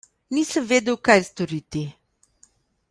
Nisem vedel, kaj storiti.